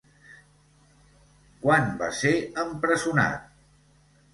Quan va ser empresonat?